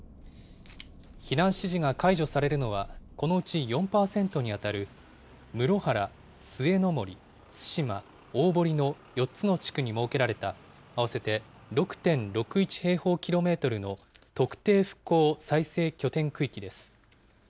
避難指示が解除されるのは、このうち４％に当たる室原、末森、津島、大堀の４つの地区に設けられた合わせて６．６１平方キロメートルの特定復興再生拠点区域です。